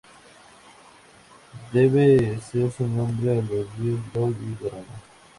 Debe su nombre a los ríos Lot y Garona.